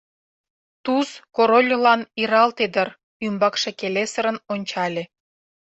— Туз Корольлан иралте дыр, ӱмбакше келесырын ончале.